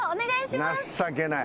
情けない。